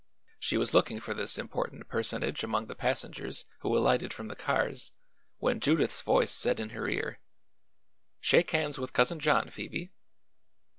She was looking for this important personage among the passengers who alighted from the cars when Judith's voice said in her ear: "Shake hands with Cousin John, Phoebe."